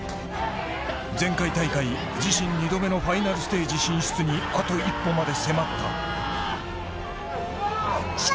前回大会、自身２度目のファイナルステージ進出にあと一歩まで迫った。